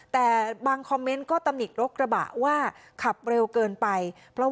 แต่บางคอมเมนต์ก็ตำหนิรถกระบะว่าขับเร็วเกินไป